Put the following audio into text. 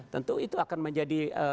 tentu itu akan menjadi